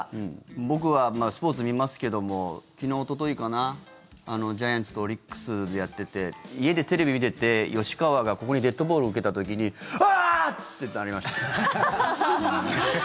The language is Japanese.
僕はスポーツ見ますけども昨日、おとといかなジャイアンツとオリックスでやってて家でテレビ見てて吉川がここにデッドボールを受けた時にあーっ！ってなりました。